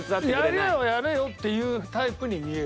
やれよやれよっていうタイプに見える。